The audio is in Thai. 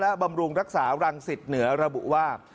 และบำรุงรักษารังสิตเหนือระบุว่า